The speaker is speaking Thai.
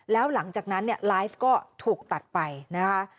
แล้วหลังจากนั้นเนี่ยไลฟ์ก็ถูกตัดไปนะคะ